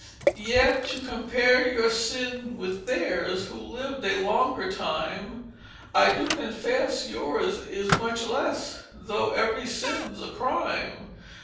"Yet to compare your sin with their's who liv'd a longer time, I do confess yours is much less, though every sin's a crime.